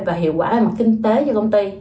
và hiệu quả về mặt kinh tế cho công ty